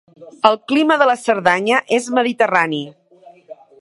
El clima de la Cerdanya és mediterrani.